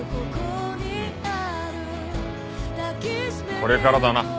これからだな